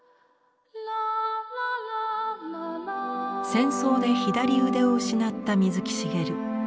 戦争で左腕を失った水木しげる。